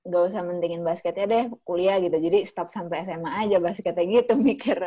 ga usah mentingin basketnya deh kuliah gitu jadi stop sampe sma aja basketnya gitu mikirnya